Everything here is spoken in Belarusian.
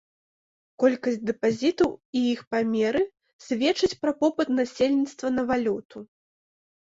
Колькасць дэпазітаў і іх памеры сведчаць пра попыт насельніцтва на валюту.